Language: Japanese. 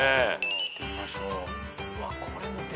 いってみましょう。